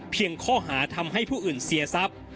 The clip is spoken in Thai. ข้อหาทำให้ผู้อื่นเสียทรัพย์